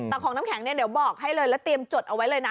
แต่ของน้ำแข็งเนี่ยเดี๋ยวบอกให้เลยแล้วเตรียมจดเอาไว้เลยนะ